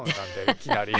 いきなり。